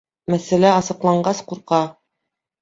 Мәсьәлә асыҡланғас, ҡурҡа